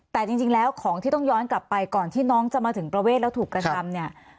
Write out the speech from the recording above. แต่จริงแล้วของที่ต้องย้อนกลับไปก่อนที่น้องจะมาถึงประเวทแล้วถูกกระทำเนี่ย